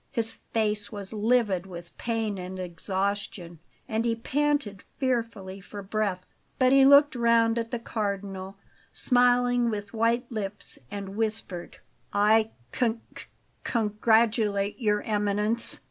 His face was livid with pain and exhaustion, and he panted fearfully for breath; but he looked round at the Cardinal, smiling with white lips, and whispered: "I c cong gratulate your Eminence."